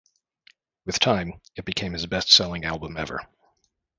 With time, it became his best-selling album ever.